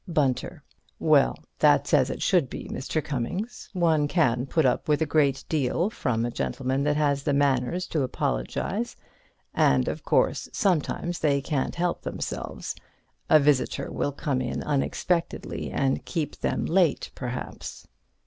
Bunter: Well, that's as it should be, Mr. Cummings. One can put up with a great deal from a gentleman that has the manners to apologize. And, of course, sometimes they can't help themselves. A visitor will come in unexpectedly and keep them late, perhaps.